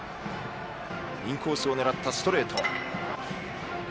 インコースを狙ったストレート。